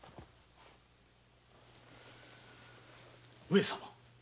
上様